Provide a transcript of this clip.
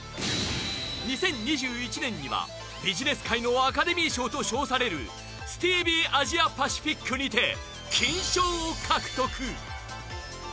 ２０２１年にはビジネス界のアカデミー賞と称されるスティービー・アジア・パシフィックにて金賞を獲得。